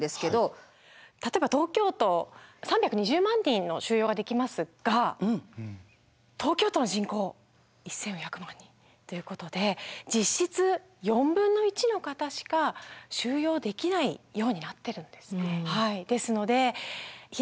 例えば東京都３２０万人の収容ができますが東京都の人口１，４００万人っていうことで実質４分の１の方しか収容できないようになってるんですね。